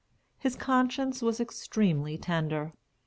His conscience was extremely tender.